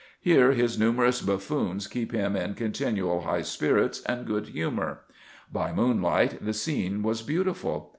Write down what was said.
Here his numerous buffoons keep him in continual high spirits and good humour. By moonlight the scene was beautiful.